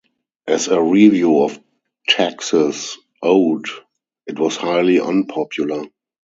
As a review of taxes owed, it was highly unpopular.